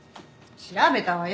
調べたわよ